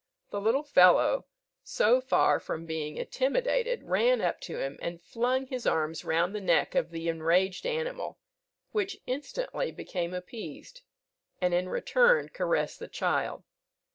The little fellow, so far from being intimidated, ran up to him, and flung his arms round the neck of the enraged animal, which instantly became appeased, and in return caressed the child.